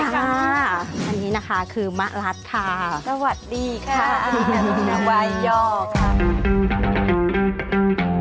ไปเลยจ้าอันนี้คือมะรัดค่ะสวัสดีค่ะว่าอย่าง